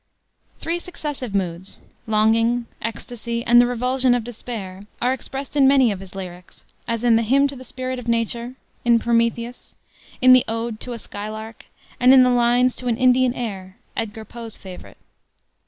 Three successive moods longing, ecstasy, and the revulsion of despair are expressed in many of his lyrics; as in the Hymn to the Spirit of Nature, in Prometheus, in the ode To a Skylark, and in the Lines to an Indian Air Edgar Poe's favorite.